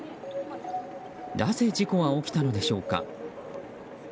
なぜ事故は起きたのでしょうか。